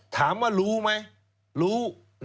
ถามว่ารู้ไหมรู้